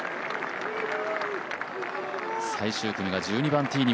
最終組が１２番ティーに